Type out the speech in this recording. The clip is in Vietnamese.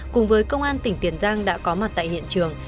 cùng với công an tỉnh tiền giang đã có mặt tại hiện trường